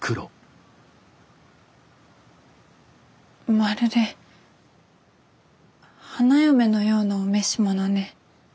まるで花嫁のようなお召し物ね。